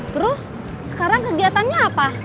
terus sekarang kegiatannya apa